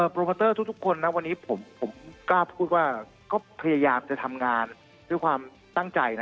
โปรโมเตอร์ทุกคนนะวันนี้ผมกล้าพูดว่าก็พยายามจะทำงานด้วยความตั้งใจนะ